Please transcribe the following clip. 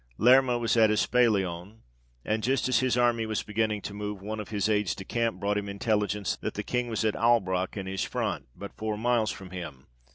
Lerma was at Espalion, and just as his army was beginning to move, one of his Aides de Camp brought him intelligence, that the King was at Albrac, in his front, but four miles from him.